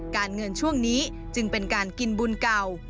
การเงินช่วงนี้จึงเป็นการกินบุญเก่า